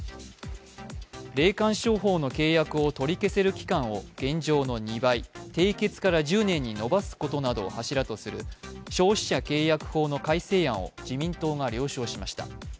霊感商法の契約を取り消せる期間を現状の２倍、締結から１０年に延ばすことなどを柱とする消費者契約法の改正案を自民党が了承しました。